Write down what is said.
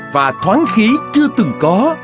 và thoáng khí chưa từng có